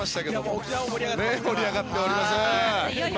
沖縄盛り上がっていますから。